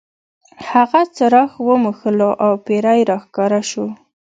هغه څراغ وموښلو او پیری را ښکاره شو.